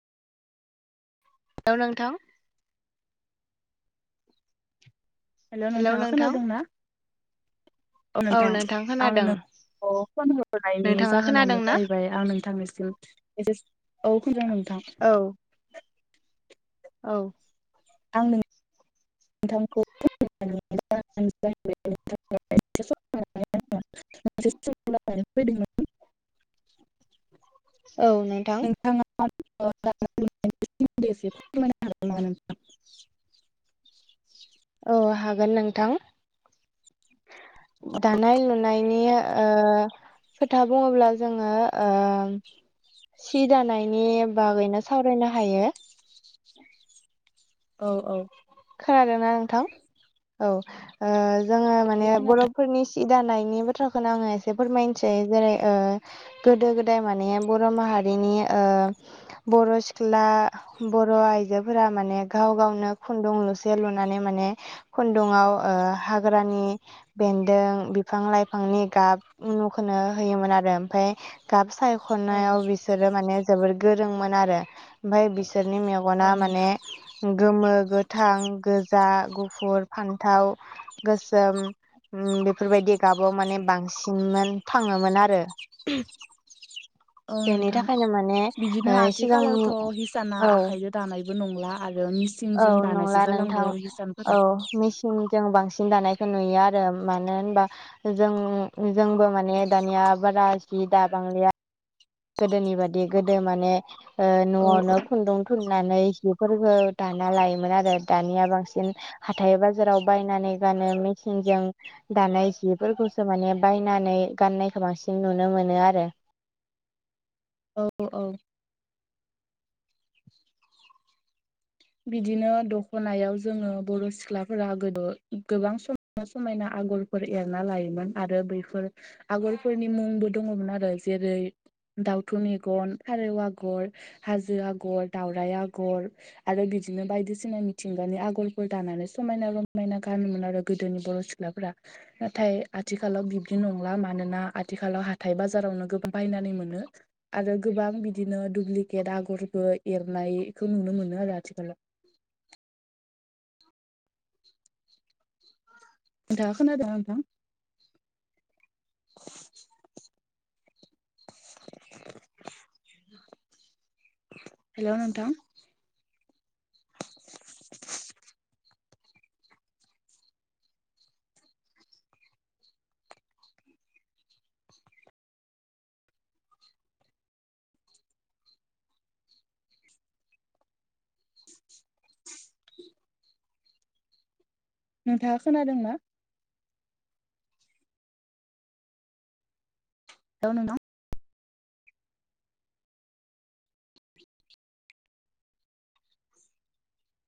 औव नोंथां? Hello hello नोंथांङा नोंथां खोनादों ना? औ नोंथां, आं नोंखौ फन हरायनायनि नोंथाङा खोनादों जाहोनानो ना? जाहैबाय औ नोंथांनिसिम एसे औ फैदों नोंथां। औव- आंनो [unintelligible] [unintelligible] औव नोंथां। [unintelligible] [unintelligible] औ हागोन नोंथां, दानाय लुनायनि ओ खोथा बुंङोब्ला जोंङो ओ सि दानायनि बागैनो सावरायनो हायो। औव औव। खोनादों ना नोंथां? औ जोंङो औ माने खोनादों बर'फ फोरनि सि दानायनि बाथ्राखौनो आंङो एसे फोरमायनोसै जेरै गोदो गोदाय माने बर' माहारिनि ओ बर' सिख्ला बर' आइजोफोरा माने गाव गावनो खुन्दुं लुसे लुनानै माने खुन्दुंआव ओ हाग्रानि बेन्दों बिफां लाइफांनि गाब उनुखोनो होयोमोन आरो ओमफ्राय गाब औ सायखनायाव बिसोरो माने जोबोर गोरोंमोन आरो। ओमफाय बिसोरनि औ मेगना माने नोंथां गोमो गो थां गोजा गुफुर फान्थाव गोसोम उम बेफोरबायदि गाबो माने बांसिनमोन थाङोमोन आरो। औ बेनि नोंथां, थाखायनो माने बिदिनो ओ सिगांनि आथिखालावथ' हिसाना औ आखाइजो दानायबो नंला आरो औ मिचिंजों दानायसो जालांबाय आरो हिसानफोरा। मेचिंजों बांसिन दानायखौ नुयो आरो मानो होनबा जों जोंबो माने दानिया बारा जि दाबांलिया। गोदोनि बादि गोदो माने ओ औ औ न'वावनो खुन्दुं थुननानै हिफोरखौ दाना लायोमोन आरो दानिया बांसिन हाथाय बाजाराव बायनानै गानो मेचिंजों दानाय जिफोरखौसो माने बायनानै गाननायखौ बांसिन नुनो मोनो आरो। औ औ। बिदिनो दखनायाव जोङो बर' सिख्लाफोरा गोदो गोबां सम समायना आगरफोर एरना लायोमोन आरो बैफोर आगरफोरनि मुंबो दङमोन आरो जेरै दाउथु मेगन, फारौ आगर, हाजो आगर, दावराय आगर, आरो बिदिनो बायदिसिना मिथिंगानि आगरफोर दानानै समायना रमायना गानोमोन आरो गोदोनि बर' सि ख्लाफोरा नाथाय आथिखालाव बिब्दि नंला मानोना आथिखालाव हाथाय बाजारावनो गोबां बायनानै मोनो। आरो गोबां बिदिनो दुप्लिकेट आगरबो एरनायखौ नुनो मोनो आरो आथिखालाव। [inaudible] नोंथाङा खोनादोंना नोंथां? [inaudible] हेल' नोंथां। नोंथाङा खोनादों ना? हेलौ नोंथां।